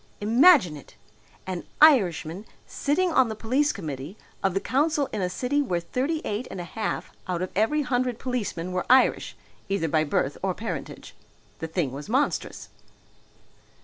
Imagine it! An Irishman sitting on the police committee of the council in a city where thirty eight and a half out of every hundred policemen were Irish, either by birth or parentage! The thing was monstrous.